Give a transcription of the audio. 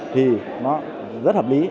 thì nó rất hợp lý